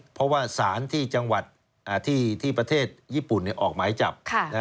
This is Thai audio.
เพราะว่าสารที่จังหวัดที่ประเทศญี่ปุ่นออกหมายจับ